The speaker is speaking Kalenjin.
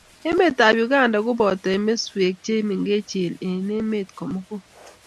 emetab Uganda koboto emeswek che mengechen eng' emet ko mugul